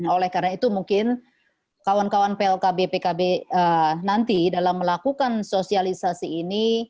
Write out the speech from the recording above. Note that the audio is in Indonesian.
oleh karena itu mungkin kawan kawan plkb pkb nanti dalam melakukan sosialisasi ini